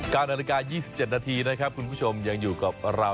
กล้าบนรกายี่สิบเจ็ดนาทีนะครับคุณผู้ชมยังอยู่กับเรา